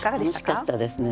楽しかったですね。